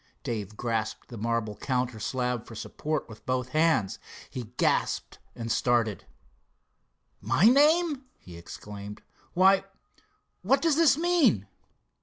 Dave grasped the marble counter slab for support with both hands. He gasped and started. "My name!" he exclaimed. "Why, what does this mean?"